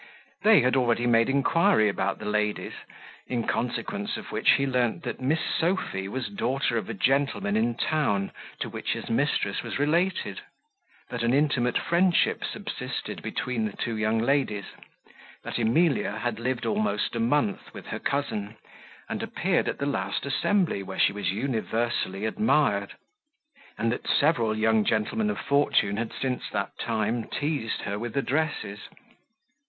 They had already made inquiry about the ladies; in consequence of which he learnt that Miss Sophy was daughter of a gentleman in town to which his mistress was related; that an intimate friendship subsisted between the two young ladies; that Emilia had lived almost a month with her cousin, and appeared at the last assembly, where she was universally admired: and that several young gentlemen of fortune had since that time teased her with addresses.